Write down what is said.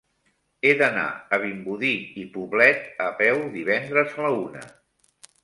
He d'anar a Vimbodí i Poblet a peu divendres a la una.